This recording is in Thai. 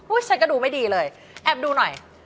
ฉันก็ดูไม่ดีเลยแอบดูหน่อย